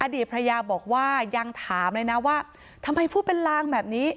ดีภรรยาบอกว่ายังถามเลยนะว่าทำไมพูดเป็นลางแบบนี้